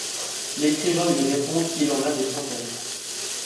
L'écrivain lui répond qu'il en a des centaines.